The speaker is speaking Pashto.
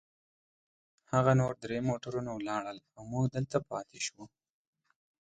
هغه نور درې موټرونه ولاړل، او موږ دلته پاتې شوو.